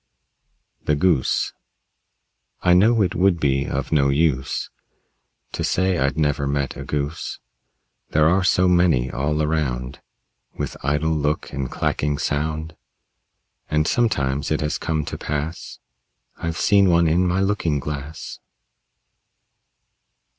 THE GOOSE I know it would be of no use To say I'd never met a Goose. There are so many all around, With idle look and clacking sound. And sometimes it has come to pass I've seen one in my looking glass.